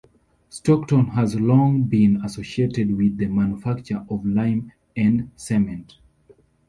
Stockton has long been associated with the manufacture of lime and cement.